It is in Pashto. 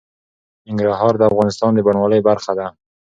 ننګرهار د افغانستان د بڼوالۍ برخه ده.